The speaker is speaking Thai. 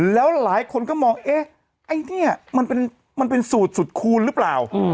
แล้วหลายคนก็มองเอ๊ะไอ้เนี่ยมันเป็นสูตรสุดคูณหรือเปล่า